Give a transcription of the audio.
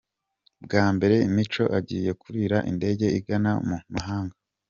Bwa mbere mico agiye kurira indege igana mu mahanga